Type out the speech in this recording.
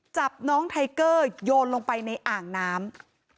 จับน้องไทเกอร์โยนลงไปในอ่างน้ำ